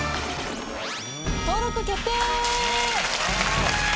登録決定！